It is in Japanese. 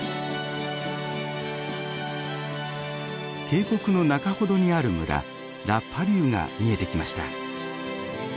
渓谷の中ほどにある村ラ・パリューが見えてきました。